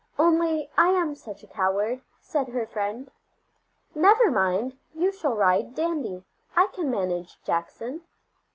"Only I am such a coward," said her friend. "Never mind, you shall ride Dandy. I can manage Jackson."